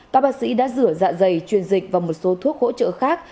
các bác sĩ đã rửa dạ dày truyền dịch và một số thuốc hỗ trợ khác